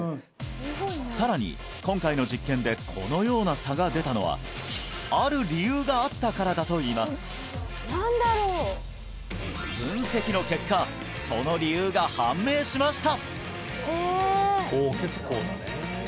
さらに今回の実験でこのような差が出たのはある理由があったからだといいます分析の結果その理由が判明しました！